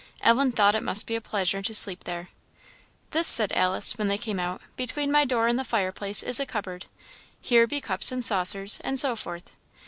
Ellen thought it must be a pleasure to sleep there. "This," said Alice, when they came out, "between my door and the fireplace, is a cupboard. Here be cups and saucers, and so forth.